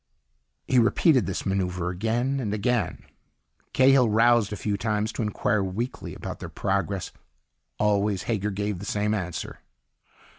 He repeated this maneuver again and again. Cahill roused a few times to inquire weakly about their progress. Always Hager gave the same answer.